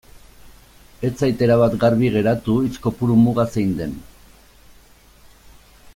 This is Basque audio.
Ez zait erabat garbi geratu hitz kopuru muga zein den.